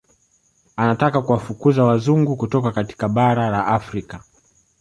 Anataka kuwafukuza Wazungu kutoka katika bara la Afrika